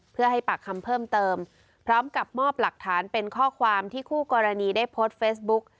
เพื่อให้ปากคำเพิ่มเติมพร้อมกับมอบหลักฐานเป็นข้อความที่คู่กรณีได้โพสต์เฟซบุ๊ก